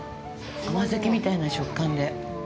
甘酒みたいな食感で。